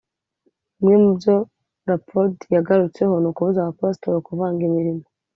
Bimwe mu byo Rapold yagarutseho ni ukubuza abapasitori kuvanga imirimo